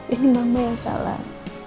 ini mama yang salah